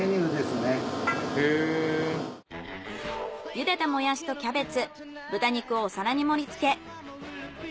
茹でたモヤシとキャベツ豚肉をお皿に盛りつけ。